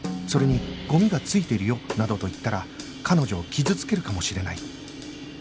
それに「ゴミが付いてるよ」などと言ったら彼女を傷つけるかもしれない